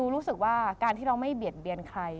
รู้สึกว่าการที่เราไม่เบียดเบียนใคร